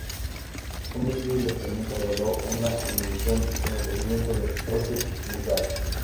Un estudio independiente reveló una inhibición en el crecimiento de "Proteus vulgaris".